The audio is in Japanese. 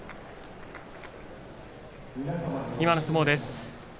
今の相撲です。